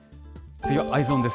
次はＥｙｅｓｏｎです。